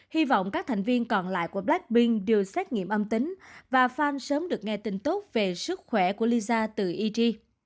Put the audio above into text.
hy vọng các thành viên còn lại của blackpink đều xét nghiệm âm tính và fan sớm được nghe tin tốt về sức khỏe của lisa từ eg